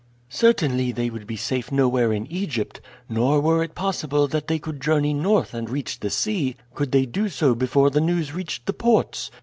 "Certainly they would be safe nowhere in Egypt. Nor were it possible that they could journey north and reach the sea, could they do so before the news reached the ports.